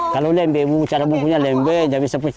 kalau lembek cara bukunya lembek dia bisa pecah